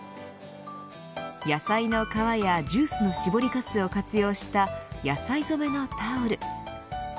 野菜の皮やジュースの搾りかすを活用した野菜染めのタオル。